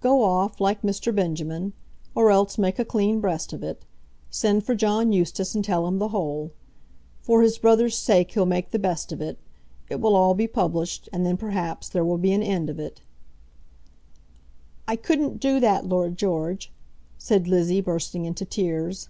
"Go off, like Mr. Benjamin; or else make a clean breast of it. Send for John Eustace and tell him the whole. For his brother's sake he'll make the best of it. It will all be published, and then, perhaps, there will be an end of it." "I couldn't do that, Lord George!" said Lizzie, bursting into tears.